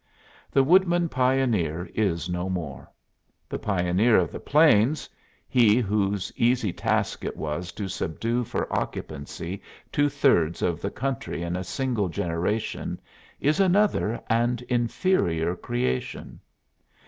The woodman pioneer is no more; the pioneer of the plains he whose easy task it was to subdue for occupancy two thirds of the country in a single generation is another and inferior creation.